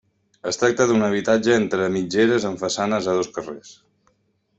Es tracta d'un habitatge entre mitgeres amb façanes a dos carrers.